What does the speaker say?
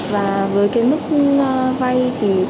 và với cái nút vay